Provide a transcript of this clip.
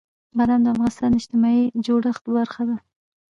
بادام د افغانستان د اجتماعي جوړښت برخه ده.